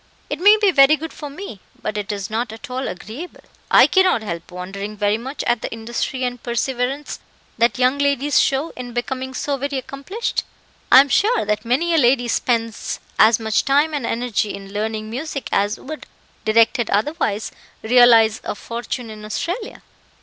"It may be very good for me, but it is not at all agreeable. I cannot help wondering very much at the industry and perseverance that young ladies show in becoming so very accomplished. I am sure that many a lady spends as much time and energy in learning music as would, directed otherwise, realize a fortune in Australia."